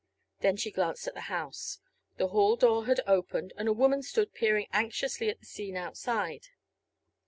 Then she glanced at the house. The hall door had opened and a woman stood peering anxiously at the scene outside.